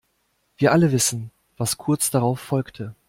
Wir alle wissen, was kurz darauf folgte.